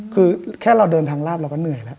คือแค่เราเดินทางลาบเราก็เหนื่อยแล้ว